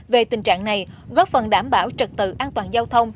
về tình trạng này góp phần đảm bảo trật tự an toàn giao thông